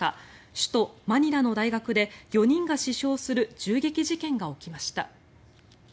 首都マニラの大学で４人が死傷する銃撃事件が起きました。